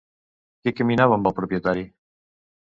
Qui caminava amb el propietari?